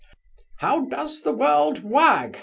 How does the world wag?